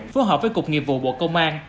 phối hợp với cục nhiệm vụ bộ công an